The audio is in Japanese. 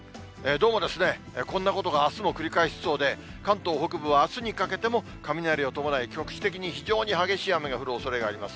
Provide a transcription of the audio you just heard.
どうもこんなことがあすも繰り返しそうで、関東北部はあすにかけても雷を伴い、局地的に非常に激しい雨が降るおそれがあります。